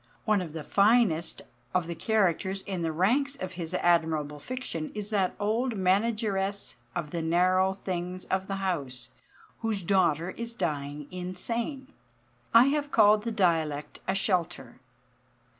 One of the finest of the characters in the ranks of his admirable fiction is that old manageress of the narrow things of the house whose daughter is dying insane. I have called the dialect a shelter.